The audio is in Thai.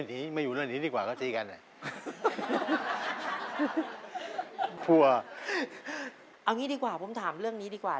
เอาอย่างงี้ดีกว่าเป็นการว่า